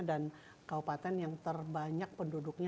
dan kabupaten yang terbanyak penduduknya